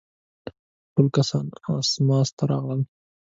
ټول کسان اسماس ته راغلل.